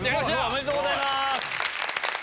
おめでとうございます。